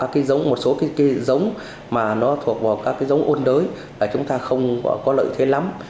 chọn tạo các giống một số giống mà nó thuộc vào các giống ôn đới là chúng ta không có lợi thế lắm